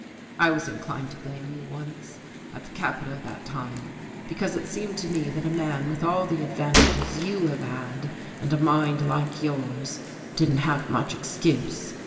I was inclined to blame you once, at the capital that time, because it seemed to me that a man with all the advantages you have had and a mind like yours didn't have much excuse.